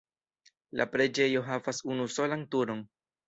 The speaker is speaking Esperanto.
La preĝejo havas unusolan turon.